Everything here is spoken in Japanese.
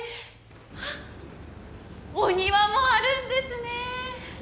あっお庭もあるんですね